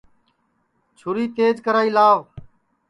چھُری تیج کرائی لاوَ